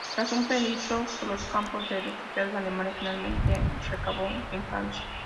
Tras un periplo por los campos de refugiados de Alemania, finalmente recabó en Francia.